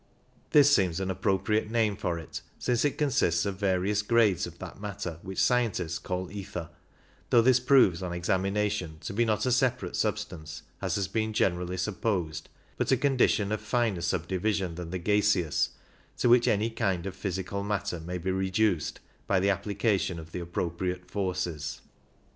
This seems an appropriate name for it, since it consists of various grades of that matter which scientists call " ether," though this proves on examination to be not a separate substance, as has been generally supposed, but a condition of finer subdivision than the gaseous, to which any kind of physical matter may be reduced by the applica tion of the appropriate forces.